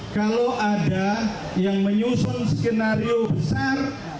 kalau ada yang menyusun skenario besar